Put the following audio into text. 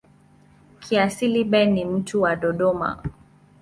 Kiasili Ben ni mtu wa Dodoma.